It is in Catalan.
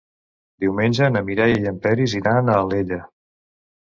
Diumenge na Mireia i en Peris iran a Alella.